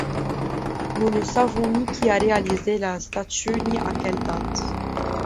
Nous ne savons ni qui a réalisé la statue, ni à quelle date.